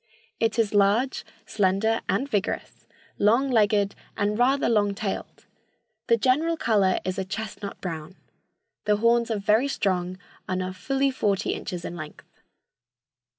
It is large, slender and vigorous, long legged and rather long tailed. The general color is a chestnut brown. The horns are very strong and are fully forty inches in length.